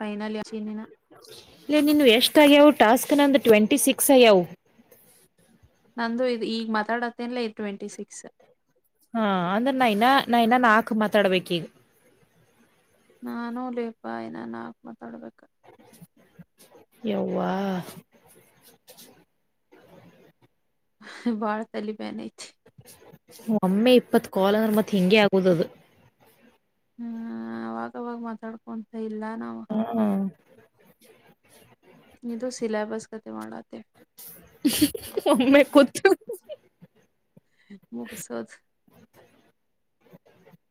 Final ಚೀನಿನ ಇ ನೀನ್ ಎಷ್ಟಾಗ್ಯ ಉಟ್ಟ ಟಾಸ್ಕ್ನ ಅಂದು ಟ್ವೆಂಟಿ ಸಿಕ್ಸ್ ಅಯ್ಯವು ನಂದು ಇ ಈಗ ಮಾತಾಡತ್ತೇನ್ಲ ಇ ಟ್ವೆಂಟಿ ಸಿಕ್ಸ್ ಹಾ ಅಂದ್ರೆ ನಾ ಇನ್ನ ನಾ ಇನ್ನ ನಾಕ್ ಮಾತಾಡ್ಬೇಕ ಈಗ ನಾನು ಲೀಪಾ ಇನ್ನ ನಾಲ್ಕು ಮಾತಾಡ್ಬೇಕು ಯೌ್ವಾ ಭಾಳತಲ್ಲಿ ಬನ್ ಐತಿ ಒಮ್ಮೆ ಇಪ್ಪತ್ತು ಕಾಲನರ್ಮತಿ ಹಿಂಗಗೆ ಆಗುವುದದು ಹ್ಮ್ ಅವಾಗವಾಗ ಮಾತಾಡ್ಕೊಂತ ಇಲ್ಲ ನಾವು ಹಾ ಹಾ ಇದು ಸಿಲೆಬಸ್ ಕತೆ ಮಾಡತ್ತೆ ಮೆ ಕುದು ಮುಗಸೋದ. [inaudible]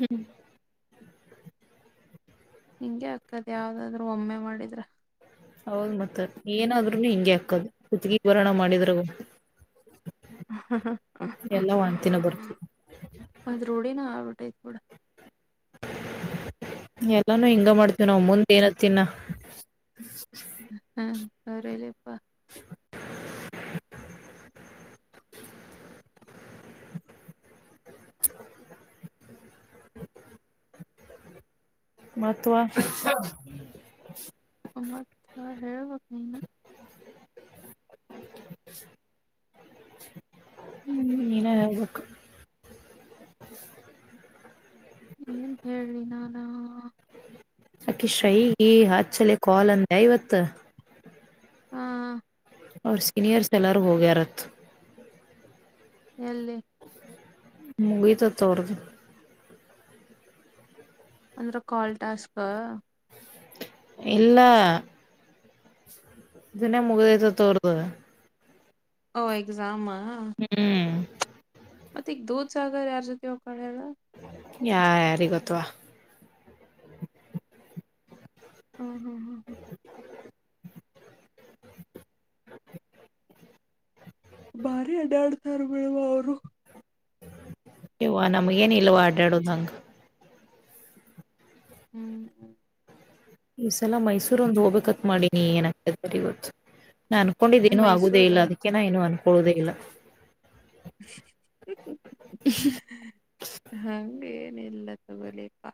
ಹ್ಮ್. ನಿಂಗೆ ಅಕ್ಕದ್ ಯಾವ್ದಾದ್ರು ಒಮ್ಮೆ ಮಾಡಿದ್ರ. ಹೌದ್ ಮತ್ತ ಏನಾದ್ರುನು ಹಿಂಗಗೆ ಹಾಕದು ಕುತ್ಗಿಭರಣ ಮಾಡಿದ್ರ. ಎಲ್ಲಾ ವಾಂತಿನ ಬರ್ತದ ಅದ ರೂಢಿನ ಆಗ ಬಿಟೈಟ್. [unintelligible] ಎಲ್ಲಾನು ಹಿಂಗ ಮಾಡ್ತೀವಿ ನಾವ ಮುಂದ ಏನತ್ತಿನ. ಹ್ಮ ಅವ್ರ ಇಲಿಪ್ಪಾ. [inaudible] ಮತ್ತ ವಾ. ಮತ್ತ ಹೇಳಬೇಕ ನೀನ. [inaudible] ಹ್ಮ್ ನೀನ ಹೆಬ್ಬೇಕ್. ಏನ್ ಹೇಳ್ರಿ ನಾನಾ. ಅಕಿ ಶ್ರೇಯಿಗ ಹ ಚಲೆ ಲೆ ಕಾಲ್ ಅಂದ್ಯಾ ಇವತ್ತ. ಹಾ. ಅವ್ರ ಸೀನಿಯರ್ ಎಲ್ಲರೂ ವೋಗ್ಯಾರತ್. ಎಲ್ಲಿ. ಮುಗಿತ ಅತ ಅವರದ. ಅಂದ್ರ ಕಾಲ್ ಟಾಸ್ಕ್. ಇಲ್ಲ. ಇದನ್ನೇ ಮುಗ್ದೈತ ಅತ ಅವರದ. ಓ ಎಕ್ಸಾಮ. ಹ್ಮ್. ಮತ್ತೆ ಈಗ ದೂದ್ ಸಾಗರ್ ಯಾರ್ ಜೊತೆ ಹೋಗಕಳಲ್ಲ. ಯಾ ಯಾರಿಗ ಗೊತ್ತ ವಾ. ಹ್ಮ್ ಹ್ಮ್ ಹ್ಮ್ ಹ್ಮ್ ಭಾರಿ ಅಡಾಡ್ತಾರ ಬಿಡ್ವ ಅವರು. ಯವ್ವ ನಮ್ಗ ಏನ್ ಇಲ್ವಾ ಅಡ್ಡಾಡದು್ ಹಂಗ. ಹ್ಮ್್ಮ್. ಈ ಸಲ ಮೈಸೂರ ಒಂದ್ ಹೋಗ್ಬೇಕತ್ ಮಾಡಿನಿ ಏನತಾರೆ ಇವತ್ತು. ನಾ ಅನ್ಕೊಂಡಿದ್ದೇನನು ಆಗುದೇ ಮೈಸೂರ ಇಲ್ಲ ಅದಕ್ಕೆ ನ ಏನುೂ ಅನ್ಕೊಳ್ಳುದೇ ಇಲ್ಲ. [unintelligible] ಇಲ್ಲಾ ತಗೋಲೆ ಪಾ.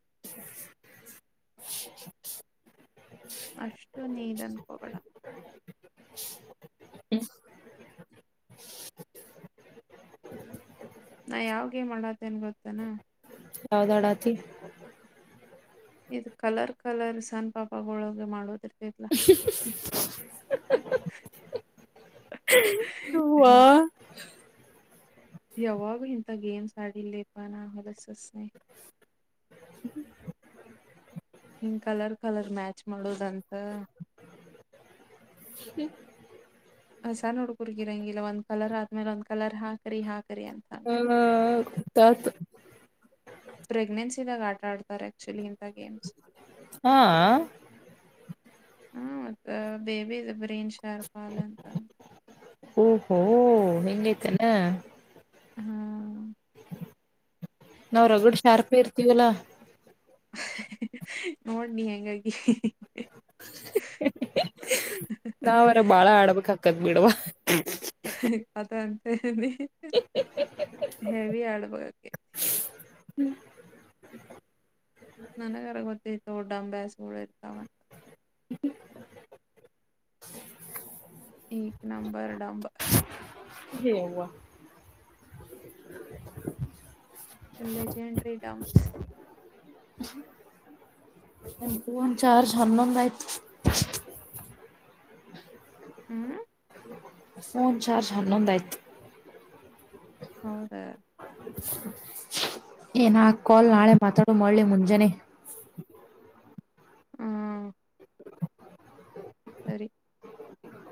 [inaudible] ಅಷ್ಟು ನೀನ ಅನ್ಕೋ ಬೇಡಾ. ಹ್ಮ. ನಾ ಯಾವ ಗೇಮ್ ಆಡಾತ್ತೇನ ಗೊತ್ತೇನಾ. ಯಾವ್ದಾಡಾತಿ. ಇದು ಕಲರ್ ಕಲರ್ ಸಣ್ಣ ಪಾಪಗಳೊಳಗೆ ಮಾಡೋದ. [unintelligible] ಹವಾ. ಯಾವಾಗು ಹಿಂತ ಗೇಮ್ಸ್ ಆಡಿಲ್ಲ ಲೆ ಪಾ ನಾ ಹೋಲ್ಸ್ ಅಸಯ್ಯ. [unintelligible] ಹಿಂಗ್ ಕಲರ್ ಕಲರ್ ಮ್ಯಾಚ್ ಮಾಡೋದಂ [inaudible] ಸ ನೋಡ್ಗುರ್ಗಿರಂಗಿಲ್ಲ ಒಂದ್ ಕಲರ್ ಆದ್ಮೇ ಒಂದ್ ಕಲರ್ ಹಾಕಿ ಹಾಕ ಹ್ಮ ತಾತ. [unintelligible] ಹಾ. ಹ್ಮ ದ ಬೇಬಿ ಗ್ರೀನ್ ಶಾರ್ ಪಾಲಂತ. ಓಹೋ ಇಂಗ್ ಐತೆನ ಹ್ಮ್ ನಾವ್ ರಗಡ್ ಶಾರ್ಪ ಇರ್ತೀವಲ್ಲಾ. ನೋಡ್ನಿ ಹೆಂಗಾಗಿ. ನಾವರ ಬಾಳ ಆಡ್ಬೇಕ್ಕದ್ ಬಿಡವಾ. ಅದ ಅಂತೆ [unintelligible] ಹೆವಿ ಆಗ್ [unintelligible] [inaudible] ನನಗರ ಗೊತ್ತೈತ್ತು ಡೊಂಬ್ಯಾಸ್ [inaudible] ಈ ನಂಬರ್ ಡಂಬ್ - ಹೆವ್ವ ಜೆಂಡ್ರರಿ ಡಂಮ್ಸ್. ಫೋನ್ ಚಾರ್ಜ್ ಹನ್ನೊಂದ್ ಆಯ್ತ್. ಹ್ಮ್ ಫೋನ್ ಚಾರ್ಜ್ ಹನ್ನೊಂದ್ ಆಯ್ತ್. ಹೌದ ಏನ್ ಕಾಲ್ ನಾಳೆ ಮಾತಾಡು ಮಾಡ್ಲಿ ಮುಂಜಾನೆ. ಹ್ಮ್ [inaudible] ಸರಿ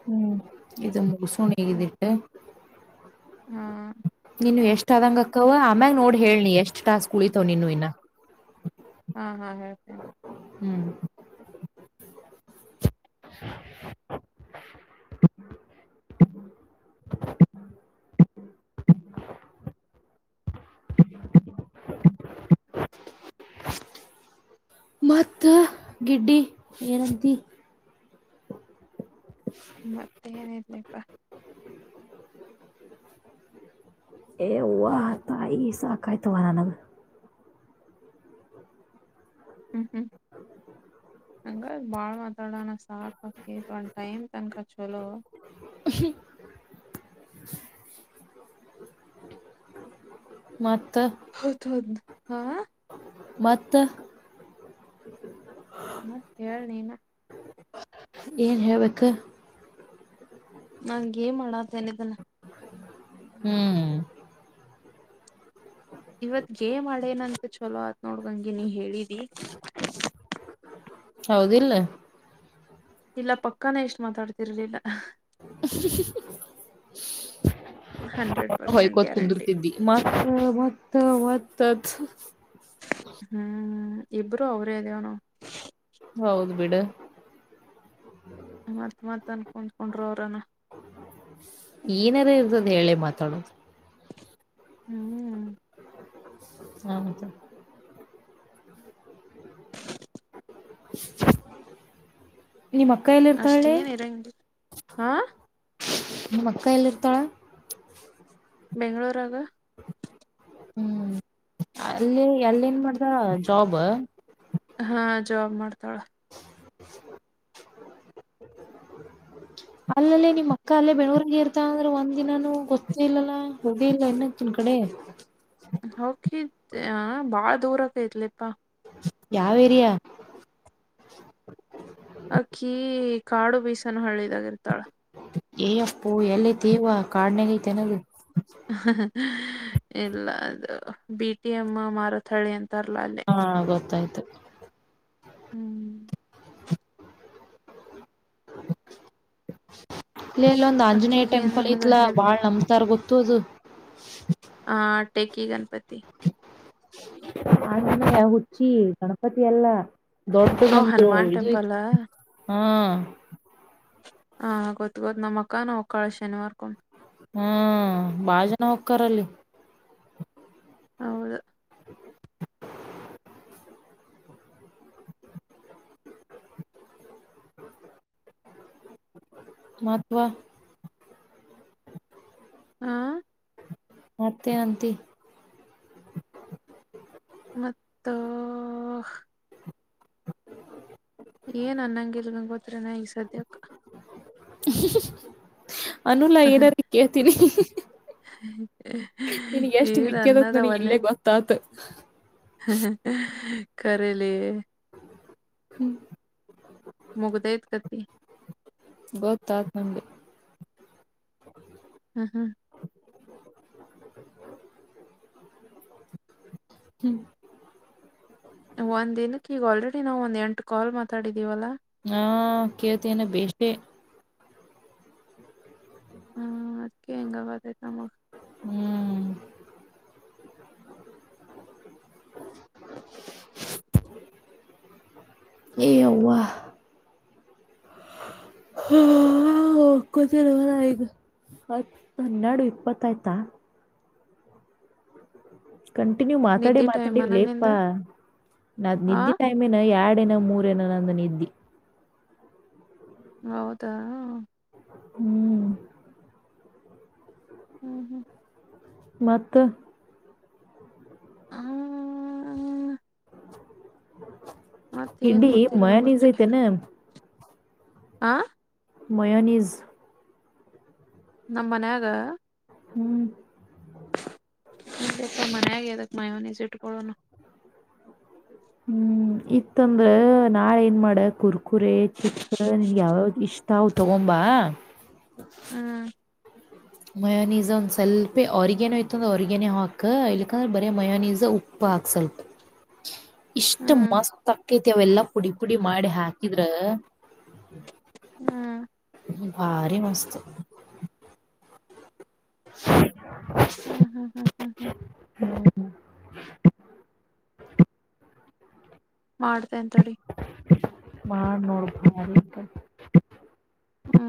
ಹ್ಮ್ ಇದು ಮುಗ್ಸಣಗಿದಿಟ್ಟ. ಹಾ ಇನ್ನು ಎಷ್ಟ ಆದಂಗಕ್ಕವ ಆಮ್ಯಾಗ್ ನೋಡ್ ಹೇಳ್ಲಿ ಎಷ್ಟ್ ಟಾಸ್ಕ್ ಉಳಿತವ್ ಇನ್ನು ಇನ್ನ. ಹಾ ಹಾ ಹೇಳ್ ಹ್ಮ್ [inaudible] [inaudible] ಮತ್ತ ಗಿಡ್ಡಿ ಏನಂತಿ. ಮತ್ತೆ ಏನ್ ಐತಿಪ್ಪ. ಹ [inaudible] ಎವ್ವ ತಾಯಿ ಸಾಕಾಯ್ತು ಅವ ನನಗ. ಹ್ಮ್ ಹ್ಮ್ ನಂಗ ಬಾಳ ಮಾತಾಡೋಣ ಸಾಕಕ್ಕಿ ಒಂದು ಟೈಮ ತನಕ ಚೊಲೋ. ಹಾ ಹಾ ಮತ್ ಹೌದೌದು ಹಾ ಮತ್ತ ಮತ್ ಹೇಳ್ ನೀನ ಏನ್ ಹೇಳ್ಬೇಕ. ನನ್ ಗೇಮ್ ಅಡಾತಿನಿ ಇದುನ್ನ. ಹ್ಮ್ ನೋಡ್ದಂಗೆ ನೀ ಹೇಳಿದಿ. ಹೌದಿಲ್ಲ. ಇಲ್ಲ ಪಕ್ಕಾನೆ ಎಷ್ಟ್ ಮಾತಾಡ್ತಿರ್ಲಿಲ್ಲ. ಹಾ ಹಂಡ್ರೆಡ್ ಹಾ ಪರ್ಸೆಂಟ್ ಹೊಯ್ಕತ್ ಗ್ಯಾರಂಟಿ ಕುಂದ್ರುತಿದ್ದಿ ಮತ್ತ ಮತ್ತ ಮ ತದ್ ಹ್ಮ್ ಇಬ್ರು ಅವ್ರೇ ಅದೆೇವನು. ಹೌದು ಬಿಡ. ಮತ್ತ್ ಮತ್ ಅನ್ಕಂದಕೊಂಡ್ರ ಅವ್ರನ ಅ ಹೇಳೇ ಮಾತಾಡದು ಹ್ಮ್ ಹನಿತೆ ನಿಮ್ಮ ಅಕ್ಕ ಎಲ್ಲಿ ಅಷ್ಟ ಇರ್ತಳ್ಳಿ ಏನ್ ಇರಂಗಿಲ್ಲ ಹಾ ನಿಮ್ ಅಕ್ಕ ಇಲ್ಲಿ ಇರ್ತಾಳೆ ಬೆಂಗಳೂರು ಹ್ಮ್ ಅಲ್ಲಿ ಅಲ್ಲಿ ನ್ ಮಾಡ್ದ ಜಾಬ್ ಹಾ ಜಾಬ್ ಮಾಡ್ತಾಳ ಅಲ್ಲಲ್ಲಿ ನಿಮ್ಮ ಅಕ್ಕ ಅಲ್ಲೇ ಬೆಂಗಳೂರಿಗೆ ಇರ್ತ ಅಂದ್ರೆ ಒಂದ್ ದಿನಾನನು ಗೊತ್ತೇ ಇಲ್ಲ ಗಡಿ ಇಲ್ಲ ಇನ್ನ ಕಡೆ ಹಕ ಬಾಳ ದೂರಕೈತ್ಲಿಪ್ಪಾ ಯಾವ್ ಏರಿಯಾ ಅಕ್ಕಿ ಕಾಡು ಬೀಸನು ಹಳ್ಳಿದಾಗಿ ಇರ್ತಾಳ ಏ ಅಪ್ಪು ಎಲ್ಲ್ದೇವ ಕಾಡನೇಲಿತೆ ಅನ್ನೋದು ಇಲ್ಲ ಅದು ಬಿ ಟಿ ಎಮ್ಮ ಮಾರುಥಳಿ ಅಂತ ಹಾ ಗೊತ್ತಾಯ್ತು ಹ್ಮ್ ಇಲ್ಲ ಇಲ್ಲೊಂದು ಆಂಜನೇಯ ಅಕ್ಕಿಗೆ ಟೆಂಪಲ್ ನನಗ ಇತ್ಲಾ ಹೆವಿ ಬಾಳ್ ನಮತಾರ್ ಗೊತ್ತ ತೋದುು ಹ ಟೆಕಿ ಗಣಪತಿ ನ ಹುಚ್ಚಿ ಗಣಪತಿ ಎಲ್ಲ ಅವ್ ದೊಡ್ಡದೊಂದು ಹನುಮಾನ್ ಟೆಂಪಲ್ ಹಾ ಹಾ ಗೊತ್ತ ಗೊದ್ ನಮ್ಮ್ ಅಕ್ಕ ನ ಹೋಗ್ಕ್ಕಾಳೆ ಶನಿವಾರ ಹ್ಮ ಬಾಳ ಜನ ಹಕ್ಕಾರಲ್ಲಿ ಹೌದು ಮಹತ್ವ ಆ ಹಾ ತ ಅಂತ ಮತ್ತು ಏನ್ ಅನ್ನಂಗಲ್ಗಂಗ ಗೊತ್ರನಾ ಈಗ ಸದ್ಯಕ್ಕ ಅನುಲಾ ಏನಾರ ಕೇಳ್ತೀನಿ ನಿನಗ್ ಎಷ್ಟ ಏನ್ ಮಿಕ್ಕ್ಯದತ್ ನನಗ್ ಇಲ್ಲೇ ಗೊತ್ತಾತ ಹ್ಮ ಕರಲಿ ಹ್ಮ್ ಮುಗದೇದ ಕತಿ ನಂದ ಹ್ಮ್ ಹ್ಮ್ ಹ್ಮ್ ಒಂದ್ ದಿನಕ್ಕೆ ಈಗ ಆಲ್ರೆಡಿ ನಾವವು ಒಂದ್ ಎಂಟು ಕಾಲ್ ಮಾತಾಡಿದೀವಲ್ಲಾ ಹಾ ಕತನೆ ಬಸೆ ಹ್ಮ್ ಅದ್ಕ್ಕೆ ಹೆಂಗ ಬತತಮಗ ಹ್ಮ್ ಎವಾ ಹಾ ಕುತರವ ಆಗ ಹತ್ ಹನ್ನೆರಡು ಇಪ್ಪತ್ತ ಆಯ್ತಾ ಕಂಟಿನ್ಯೂ ಮಾತಾಡಿ ನಿದ್ದಿ ಟೈಮ್ ಮಾತಾಡಿ ಅನ ನಿಂದ ಇಲೇಪಾ ನ ಆ ನಿದ್ದೆ ಟೈಮನ ಎಡ್ [unintelligible] ರಡಿನ ಮೂರೇನ ನಂದು ನಿದ್ದಿ. ಹೌದಾ. ಹ್ಮ್ ಹ್ಮ್ ಹ್ಮ್ ಮತ್ತ. ಹಅಅ ಏನ್ ಇಡ್ಡಿ ಗೊತ್ತಿಲ್ ಮಯಾನಜ ಗಂಗೋತ್ರಿ ಐತೆನ. ಆ ಮಯೋನೀಜ್. ನಮ ಮನ್ಯಾಗ. ಹ್ಮ್ ಇಲ್ಲಪ್ಪ ಮನೆಯಾಗಿ ಎದಕ್ಕೆ ಮಯನೀಜ್ ಇಟಕೊಳ್ಳೋಣ. ಹ್ಮ್ ಇತ್ತಂದ್ರ ನಾಳ ಏನ್ ಮಾಡ ಕುರ್ಕುರೆ ಚಿಪ್ಸ್ ನಿನ್ಗೆ ಯಾವ್ ಯಾವ್ದ ಇಷ್ಟ್. ಅವು ತಗೊಂಬಾ. ಹ್ಮ್ ಮಯಾನೀಸ್ ಒಂದ್ ಸ್ವಲ್ಪೆ ಅರ್ಗ್ಯಾನ ಇತ್ತು ಅಂದ್ರಾ, ಆರ್ಗ್ಯಾನೋ ಇತ್ತು ಅಂದ್ರ ಆರ್ಗ್ಯಾನೋ ಹಾಕು ಇಲ್ಲಿಕಂದ್ರೆ ಬರೇ ಮಯಾನೀಸ್ ಉಪ್ಪ. ಹಾಕ್ ಸ್ವಲ್ಪ. ಇಷ್ಟ ಹ್ಮ್ ಮಸ್ತ್ ಅಕ್ಕೈತಿ ಅವೆಲ್ಲಾ ಪುಡಿ ಪುಡಿ ಮಾಡಿ ಹಾಕಿದ್ರ. ಹ್ಮ್ ಭಾರಿ ಮಸ್ತ್ ಹ ಅ ಹ ಹ್ಮ್ ಹ್ಮ್ ಹ್ಮ್ ಹ್ಮ್ ಹ್ಮ್ ಮಾಡ್ತೆನ ತಡಿ. ಮಾಡ್ ನೋಡು [unintelligible] ಹ್ಮ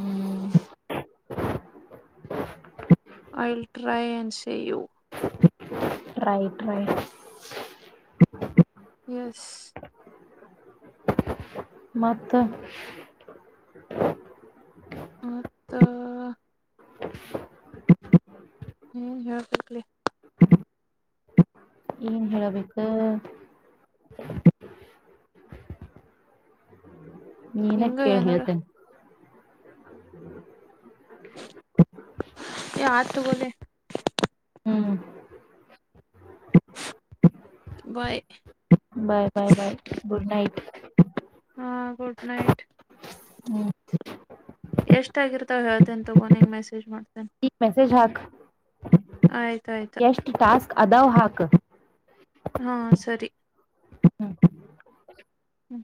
ಹ್ಮ I will try and see you. Try try. Yes ಮತ್ತ ಮತ್ತಅ. ಎನ್ ಹೇಳ್ಬೇಕಲೆ. ಏನ್ ಹೇಳಬೇಕ. ನೀನ ಹಿಂಗ ಕೇಳ ಏನಾರ ಹೇಳ್ತೇನೆ. ಹೇ ಆಯ್ತ್ ತಗೊಳೆ. ಹ್ಮ್ bye bye bye bye good night. ಹಾ ಗುಡ್ ನೈಟ್. ಹ್ಮ್ ಎಷ್ಟ ಆಗಿರ್ತಾವೆ ಹೇಳ್ತೇನ್ ತಗೊ ನಿಂಗೆ ಮಸಜ್ ಮಾಡ್ತೇನೆ. ಈಗ ಮೆಸೇಜ್ ಹಾಕು. ಆಯ್ತಾ ಅಯ್ತು. ಅದಾವ ಹಾಕು. ಹ್ಮ ಸರಿ. ಹ್ಮ್